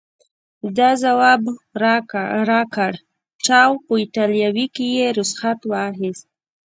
ده ځواب راکړ: چاو، په ایټالوي کې یې رخصت واخیست.